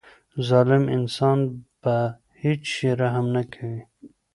ظالم انسان په هیڅ شي رحم نه کوي.